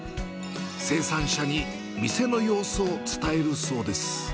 生産者に、店の様子を伝えるそうです。